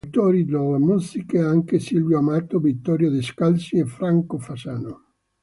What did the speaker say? Tra gli autori delle musiche anche Silvio Amato, Vittorio De Scalzi e Franco Fasano.